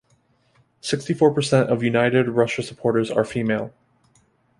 Sixty-four percent of United Russia supporters are female.